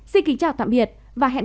xin kính chào tạm biệt và hẹn